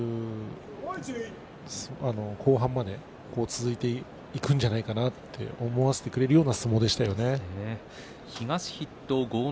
後半まで続いていくんじゃないかなと思わせてくれるような相撲でしたね。